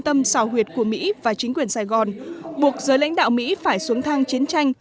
tâm xào huyệt của mỹ và chính quyền sài gòn buộc giới lãnh đạo mỹ phải xuống thang chiến tranh